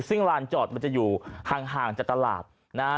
ซึ่งลานจอดมันจะอยู่ห่างจากตลาดนะฮะ